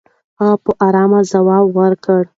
هغه په ارامۍ ځواب ورکوي.